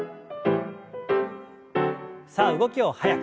さあ動きを速く。